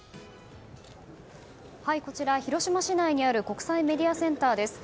こちら、広島市内にある国際メディアセンターです。